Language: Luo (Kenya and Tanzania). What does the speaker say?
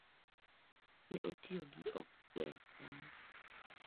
Ne atiyo gi ong’we yamo